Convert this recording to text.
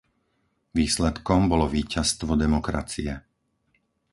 Výsledkom bolo víťazstvo demokracie.